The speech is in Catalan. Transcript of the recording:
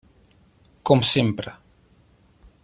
Com sempre.